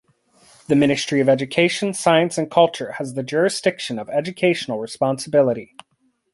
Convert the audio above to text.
The Ministry of Education, Science and Culture has the jurisdiction of educational responsibility.